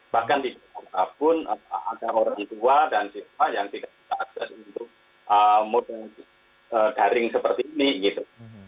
bahkan di jakarta pun ada orang tua dan siswa yang tidak bisa akses untuk moda daring seperti ini gitu